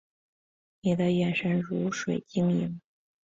你的眼神如水晶莹